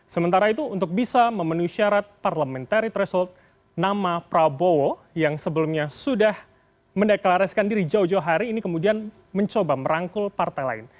sementara itu untuk bisa memenuhi syarat parliamentary threshold nama prabowo yang sebelumnya sudah mendeklarasikan diri jauh jauh hari ini kemudian mencoba merangkul partai lain